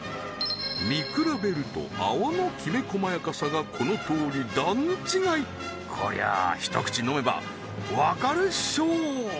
見比べると泡のきめこまやかさがこのとおり段違いこりゃあひと口飲めばわかるっしょ